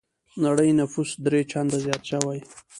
نړۍ نفوس درې چنده زيات شوی.